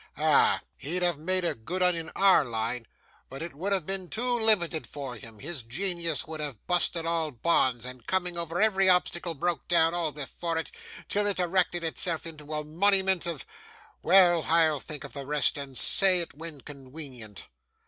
Ah! He'd have made a good 'un in our line, but it would have been too limited for him; his genius would have busted all bonds, and coming over every obstacle, broke down all before it, till it erected itself into a monneyment of Well, I'll think of the rest, and say it when conwenient.